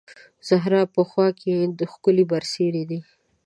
زهر په خوا کې، ښکلې برسېرې دي